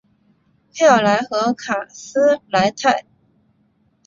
佩尔莱和卡斯泰莱。